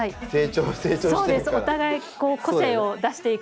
お互い個性を出していく。